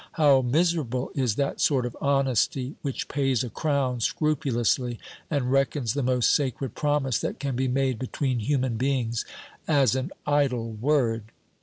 How miserable is that sort of honesty which pays a crown scrupulously and reckons the most sacred promise that can be made between human beings as an idle word